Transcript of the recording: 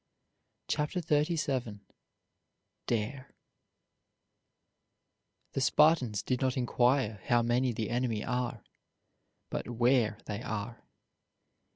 CHAPTER XXXVII DARE The Spartans did not inquire how many the enemy are, but where they are.